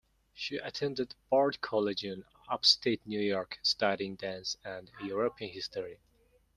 She attended Bard College in upstate New York, studying Dance and European History.